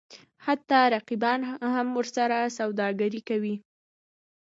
حتی رقیبان هم ورسره سوداګري کوي.